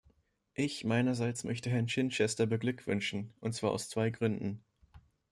Ich meinerseits möchte Herrn Chichester beglückwünschen, und zwar aus zwei Gründen.